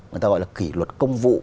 người ta gọi là kỷ luật công vụ